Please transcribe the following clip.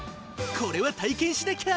これは体験しなきゃ！